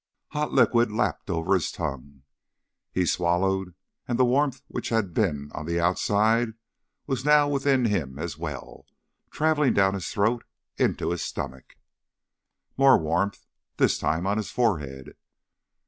Hot liquid lapped over his tongue. He swallowed and the warmth which had been on the outside was now within him as well, traveling down his throat into his stomach. More warmth, this time on his forehead.